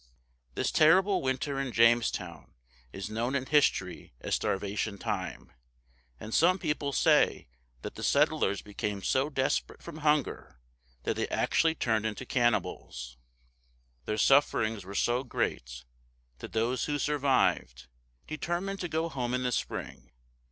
This terrible winter in Jamestown is known in history as "Starvation Time;" and some people say that the settlers became so desperate from hunger that they actually turned cannibals. Their sufferings were so great that those who survived determined to go home in the spring.